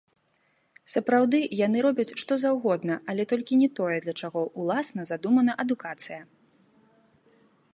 Сапраўды, яны робяць што заўгодна, але толькі не тое, для чаго ўласна задумана адукацыя.